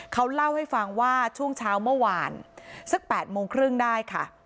เขาเล่าให้ฟังว่าช่วงเช้าเมื่อวานสัก๘โมงครึ่งได้ค่ะ